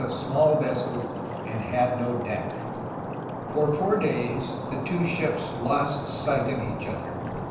a small vessel and had no deck." For four days the two ships lost sight of each other.